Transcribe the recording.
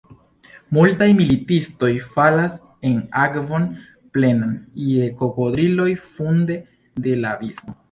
Multaj militistoj falas en akvon plenan je krokodiloj funde de la abismo.